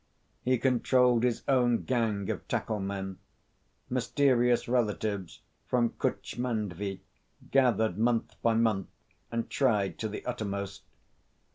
He controlled his own gang of tackle men mysterious relatives from Kutch Mandvi gathered month by month and tried to the uttermost.